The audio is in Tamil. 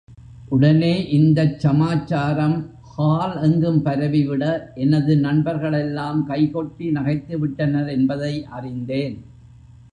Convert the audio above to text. உடனே இந்தச் சமாச்சாரம் ஹால் எங்கும் பரவிவிட எனது நண்பர்களெல்லாம் கைகொட்டி நகைத்து விட்டனர் என்பதை அறிந்தேன்.